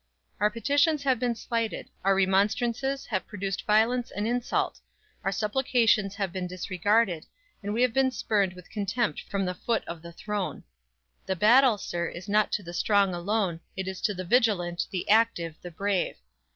"Our petitions have been slighted; our remonstrances have produced violence and insult; our supplications have been disregarded, and we have been spurned with contempt from the foot of the throne. "The battle, sir, is not to the strong alone, it is to the vigilant, the active, the brave.